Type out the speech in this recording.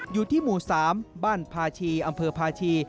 อยู่ที่หมู่๓บ้านพาชีอำเภอพาชี